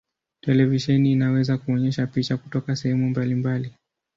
Televisheni inaweza kuonyesha picha kutoka sehemu mbalimbali.